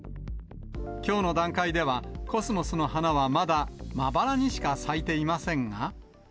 きょうの段階では、コスモスの花はまだまばらにしか咲いていませんが。